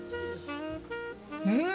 うん！